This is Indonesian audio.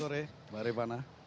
selamat sore mbak rifana